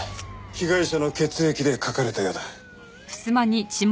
被害者の血液で書かれたようだ。